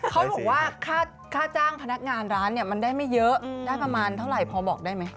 เขาบอกว่าค่าจ้างพนักงานร้านเนี่ยมันได้ไม่เยอะได้ประมาณเท่าไหร่พอบอกได้ไหม